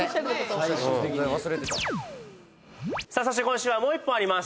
最終的にそして今週はもう一本あります